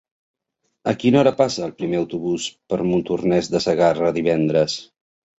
A quina hora passa el primer autobús per Montornès de Segarra divendres?